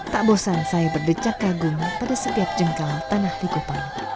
tak bosan saya berdecak kagum pada setiap jengkala tanah likupang